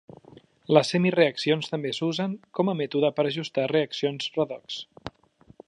Les semireaccions també s'usen com a mètode per ajustar reaccions redox.